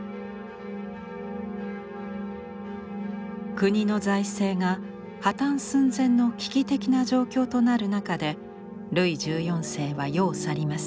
国の財政が破綻寸前の危機的な状況となる中でルイ１４世は世を去ります。